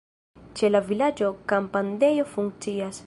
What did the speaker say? Ĉe la vilaĝo kampadejo funkcias.